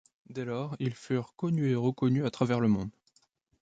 Dès lors ils furent connus et reconnus à travers le monde.